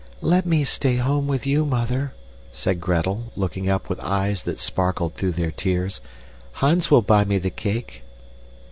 "Let me stay home with you, Mother," said Gretel, looking up with eyes that sparkled through their tears. "Hans will buy me the cake."